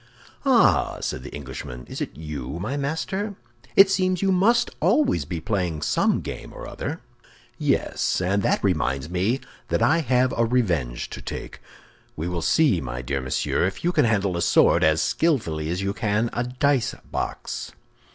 "Ah," said the Englishman, "is it you, my master? It seems you must always be playing some game or other." "Yes; and that reminds me that I have a revenge to take. We will see, my dear monsieur, if you can handle a sword as skillfully as you can a dice box."